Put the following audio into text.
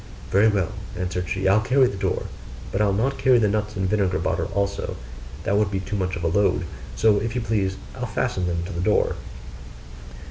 'Very well,' answered she, 'I'll carry the door; but I'll not carry the nuts and vinegar bottle also that would be too much of a load; so if you please, I'll fasten them to the door.